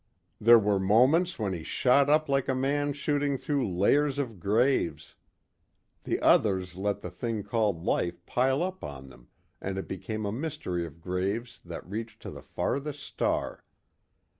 There were moments when he shot up like a man shooting through layers of graves. The others let the thing called life pile up on them and it became a mystery of graves that reached to the farthest star.